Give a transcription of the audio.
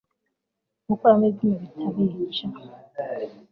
gukuramo ibyuma bitabica